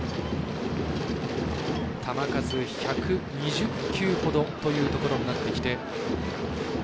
球数１２０球ほどというところになってきて。